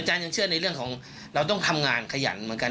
ยังเชื่อในเรื่องของเราต้องทำงานขยันเหมือนกัน